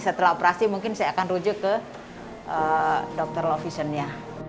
setelah operasi mungkin saya akan rujuk ke dokter low visionnya